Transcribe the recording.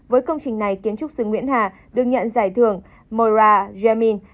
với công trình này kiến trúc sư nguyễn hà được nhận giải thưởng mora jamin